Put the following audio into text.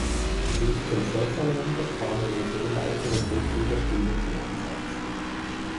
Bis zum Saisonende kam er in zehn weiteren Drittligaspielen zum Einsatz.